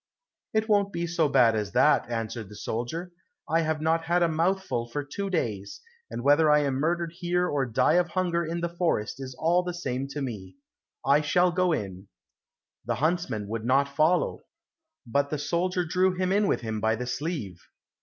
"It won't be so bad as that," answered the soldier, "I have not had a mouthful for two days, and whether I am murdered here or die of hunger in the forest is all the same to me. I shall go in." The huntsman would not follow, but the soldier drew him in with him by the sleeve.